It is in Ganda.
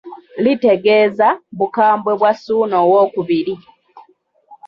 Litegeeza bukambwe bwa Ssuuna II.